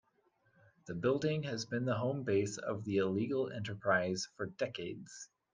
The building has been the home base of the illegal enterprise for decades.